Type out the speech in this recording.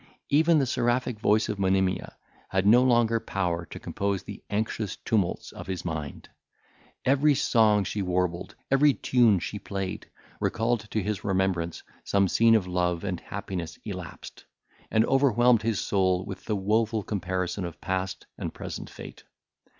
—Even the seraphic voice of Monimia had no longer power to compose the anxious tumults of his mind. Every song she warbled, every tune she played, recalled to his remembrance some scene of love and happiness elapsed; and overwhelmed his soul with the woful comparison of past and present fate.